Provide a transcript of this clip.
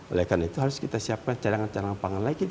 oleh karena itu harus kita siapkan cadangan cadangan pangan lagi